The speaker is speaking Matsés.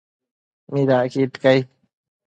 ¿midacquid cai ?